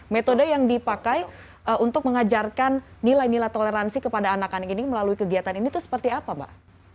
metode yang dipakai untuk mengajarkan nilai nilai toleransi kepada anak anak ini melalui kegiatan ini itu seperti apa mbak